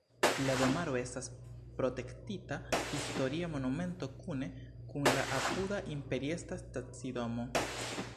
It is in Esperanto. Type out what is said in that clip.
La domaro estas protektita historia monumento kune kun la apuda imperiestra stacidomo.